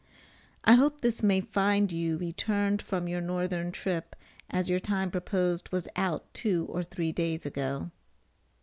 I hope this may find you returned from your northern trip,[A] as your time proposed was out two or three days ago.